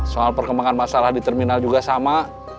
soal perkembangan masalah di terminal juga sama